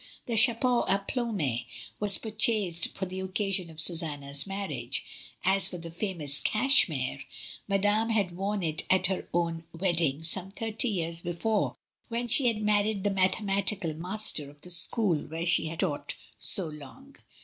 The chapeau h plumes was purchased for the occasion of Susanna's marriage; as for the famous cachemire, Madame had worn it at her own wedding some thirty years before, when she had married the mathematical master of the school where she had taught so long.